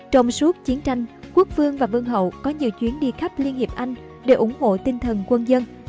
trong suốt chiến tranh quốc phương và vương hậu có nhiều chuyến đi khắp liên hiệp anh để ủng hộ tinh thần quân dân